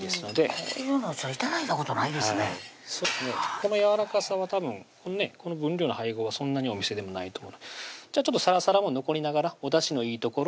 このやわらかさはたぶんこの分量の配合はそんなにお店でもないと思うのでさらさらも残りながらおだしのいいところ